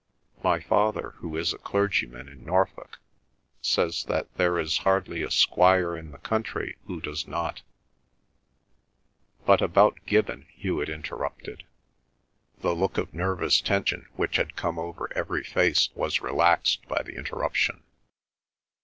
My father, who is a clergyman in Norfolk, says that there is hardly a squire in the country who does not—" "But about Gibbon?" Hewet interrupted. The look of nervous tension which had come over every face was relaxed by the interruption.